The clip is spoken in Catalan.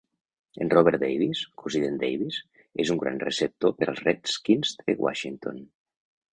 En Robert Davis, cosí d'en Davis, és un gran receptor per als Redskins de Washington.